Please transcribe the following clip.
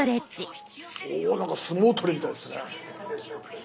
おなんか相撲取りみたいですね。